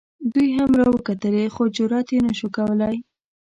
دوی هم را وکتلې خو جرات یې نه شو کولی.